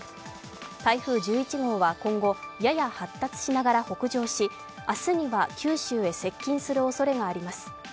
台風１１号は今後、やや発達しながら北上し、明日には九州へ接近するおそれがあります。